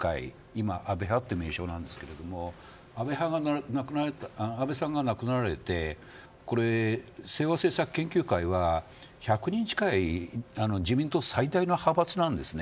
今は安倍派という名称ですが安倍派が安倍さんが亡くなられて清和政策研究会は１００人近い自民党最大の派閥です。